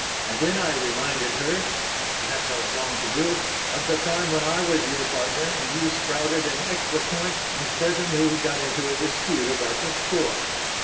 And then I reminded her perhaps I was wrong to do it of the time when I was your partner and you sprouted an extra point and presently we got into a dispute about the score."